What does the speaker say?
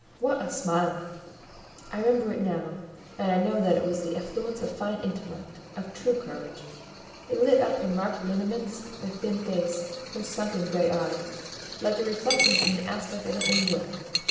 What a smile! I remember it now, and I know that it was the effluence of fine intellect, of true courage; it lit up her marked lineaments, her thin face, her sunken grey eye, like a reflection from the aspect of an angel.